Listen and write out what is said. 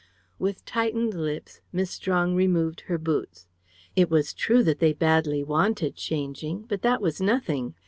With tightened lips Miss Strong removed her boots. It was true that they badly wanted changing. But that was nothing.